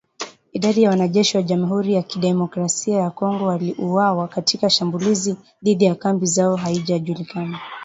Idadi ya wanajeshi wa jamhuri ya kidemokrasia ya Kongo waliouawa katika shambulizi dhidi ya kambi zao haijajulikana